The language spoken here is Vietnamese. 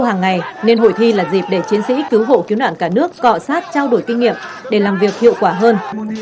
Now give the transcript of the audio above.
hơn bốn mươi giây là dịp để chiến sĩ cứu hộ cứu nạn cả nước cọ sát trao đổi kinh nghiệm để làm việc hiệu quả hơn